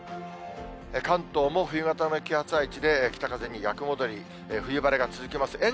関東も冬型の気圧配置で、北風に逆戻り、冬晴れが続きます。